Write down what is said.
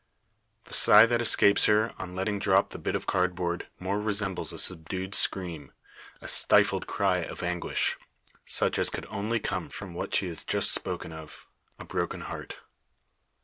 The sigh that escapes her, on letting drop the bit of cardboard, more resembles a subdued scream a stifled cry of anguish, such as could only come from what she has just spoken of a broken heart.